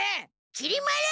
きり丸！